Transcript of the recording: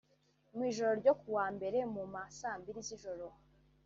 Mu ijoro ryo kuwa Mbere mu ma saa mbili z’ijoro